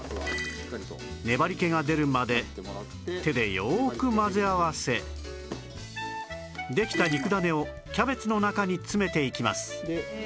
粘り気が出るまで手でよーく混ぜ合わせできた肉だねをキャベツの中に詰めていきます